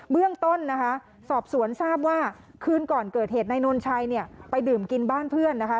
เรื่องต้นนะคะสอบสวนทราบว่าคืนก่อนเกิดเหตุนายนนชัยเนี่ยไปดื่มกินบ้านเพื่อนนะคะ